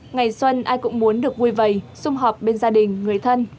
ngày xuân ai cũng muốn được vui vầy xung họp bên gia đình người thân